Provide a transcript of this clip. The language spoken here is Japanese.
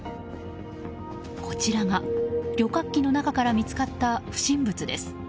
こちらが、旅客機の中から見つかった不審物です。